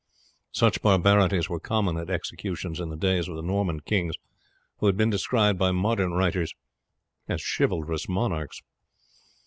Such barbarities were common at executions in the days of the Norman kings, who have been described by modern writers as chivalrous monarchs.